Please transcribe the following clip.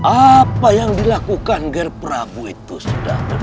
apa yang dilakukan ger prabu itu sudah benar